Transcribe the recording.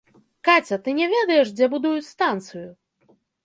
Каця, ты не ведаеш, дзе будуюць станцыю?